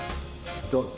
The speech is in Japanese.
どうぞ。